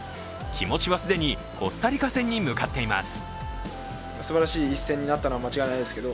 気持ちは既にコスタリカ戦に向かっています。